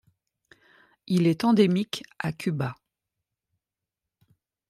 Il est endémique à Cuba.